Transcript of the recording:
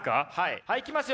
はいいきますよ